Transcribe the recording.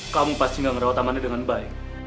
kamu pasti gak ngerawat tamannya dengan baik